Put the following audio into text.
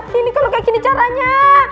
sini kalau kayak gini caranya